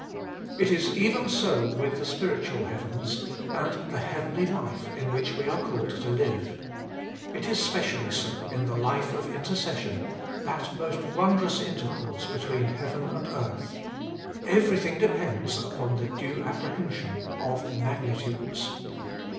It is even so with the spiritual heavens, and the heavenly life in which we are called to live. It is specially so in the life of intercession, that most wondrous intercourse be tween heaven and earth. Everything depends upon the due apprehension of magnitudes.